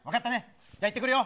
じゃあ行ってくるよ。